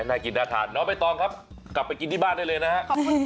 น่ากินน่าทานน้องใบตองครับกลับไปกินที่บ้านได้เลยนะฮะ